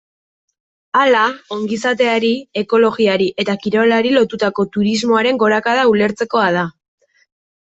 Hala, ongizateari, ekologiari eta kirolari lotutako turismoaren gorakada ulertzekoa da.